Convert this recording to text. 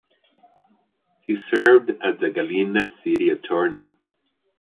He served as the Galena City Attorney.